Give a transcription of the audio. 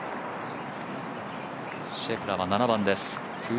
シェフラーは７番です。